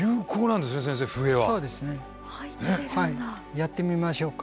やってみましょうか。